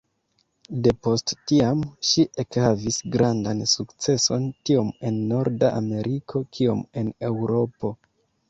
Depost tiam, ŝi ekhavis grandan sukceson, tiom en Norda Ameriko kiom en Eŭropo.